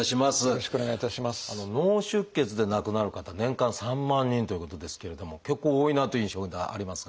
脳出血で亡くなる方年間３万人ということですけれども結構多いなという印象がありますが。